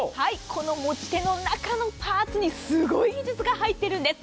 この持ち手の中のパーツにすごい技術が入っているんです。